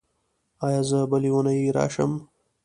ایا زه بلې اونۍ راشم؟